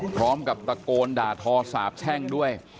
พร้อมกับตะโกนด่าทอสาบแช่งด้วย